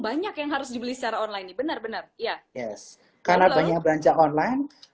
banyak yang harus dibeli secara online ini benar benar ya yes karena banyak belanja online